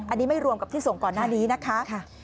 อันนี้ไม่รวมกับที่ส่งก่อนหน้านี้นะคะ